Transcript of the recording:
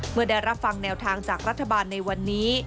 เมื่อได้รับฟังแนวทางจากรัฐบาลในวันนี้